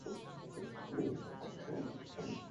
在他年轻的时候已被阿积士青年队侦察。